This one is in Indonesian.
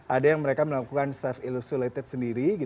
ada yang mereka melakukan self illusulated sendiri